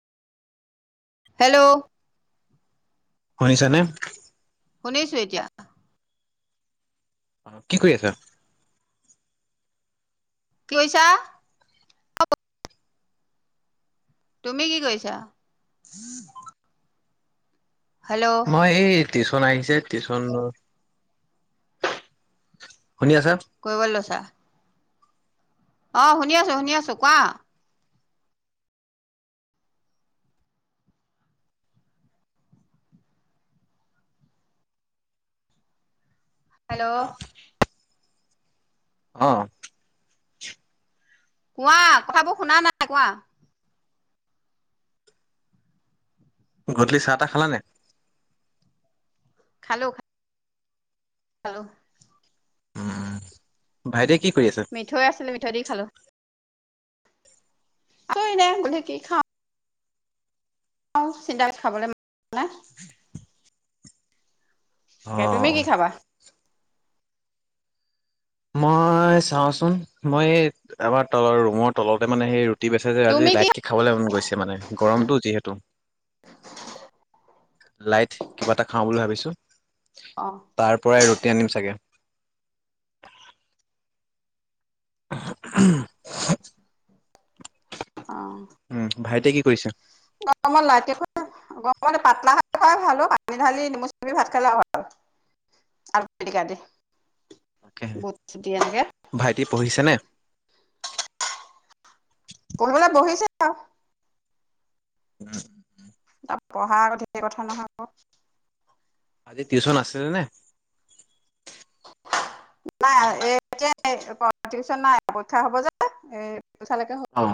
Hello. শুনিছানে? শুনিছো এতিয়া। কি কৰি আছা? কি কৈছা? তুমি কি কৰিছা? হেল্ল'। অ', এই টিউচন আহিছে, টিউচন, শুনি আছা? কৰিবলৈ লৈছা। অ', শুনি আছো, শুনি আছো, কোৱা। হেল্ল'। অ'। কোৱা, কথাবোৰ শুনা নাই কোৱা। গধূলি চাহ তাহ খালানে? খালো। খালো। উম, ভাইটিৱে কি কৰি আছে? মিঠৈ আছিলে, মিঠৈ দি খাঁলো। আছো, এনে [unintelligible] কি খাওঁ। অ', চিন্তাক খাবলৈ মন নাই। তুমি অ', কি খাবা? মই চাওঁচোন, মই এই আমাৰ তলৰ ৰুমৰ তলতে মানে সেই [unintelligible] বেছে যে, আজি তুমি কি লাইটকে খাবলৈ মন গৈছে মানে, গৰমটো যিহেতু। লাইট, কিবা এটা খাওঁ বুলি ভাবিছো, অ তাৰ পৰাই ৰুটি আনিম চাগে। [unintelligible] [unintelligible] উম, ভাইটিয়ে কি কৰিছে? গৰমত লাইটকে খোৱা [unintelligible] গৰমত পাতলা ভাত খুৱাই ভাল ঔ, পানী ঢালি নেমু চেপি ভাত খালে আৰু ভাল। আলু পিটিকা দি, তাকেহে, বুট [unintelligible] এনেকে। ভাইটি পঢ়িছেনে? পঢ়িবলে বহিছে আৰু। [unintelligible] তাৰ পঢ়াৰো আগত ধেৰ কথা নহয় আকৌ। আজি টিউশ্যন আছিলে নে? নাই এ এতিয়া টিউচন নাই, পৰীক্ষা হ'ব যে এ [unintelligible] অ',